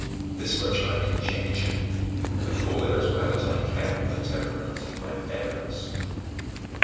This much I conjecture, recalling as well as I can the temperaments of my parents.